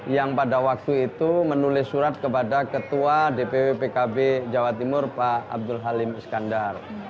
yang pada waktu itu menulis surat kepada ketua dpw pkb jawa timur pak abdul halim iskandar